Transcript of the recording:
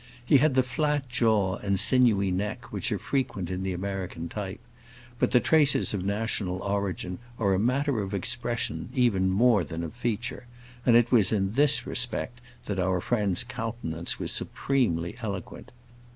He had the flat jaw and sinewy neck which are frequent in the American type; but the traces of national origin are a matter of expression even more than of feature, and it was in this respect that our friend's countenance was supremely eloquent.